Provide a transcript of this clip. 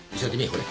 これ。